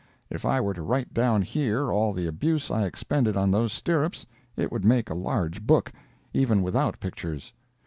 If I were to write down here all the abuse I expended on those stirrups, it would make a large book, even without pictures.